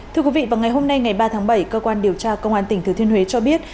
thưa quý vị vào ngày hôm nay ngày ba tháng bảy cơ quan điều tra công an tỉnh thừa thiên huế cho biết